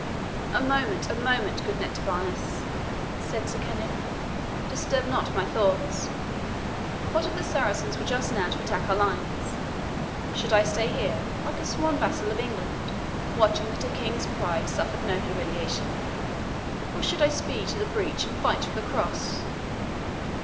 "A moment, a moment, good Nectabanus," said Sir Kenneth; "disturb not my thoughts. What if the Saracens were just now to attack our lines? Should I stay here like a sworn vassal of England, watching that her king's pride suffered no humiliation; or should I speed to the breach, and fight for the Cross?